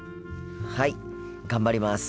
はい頑張ります。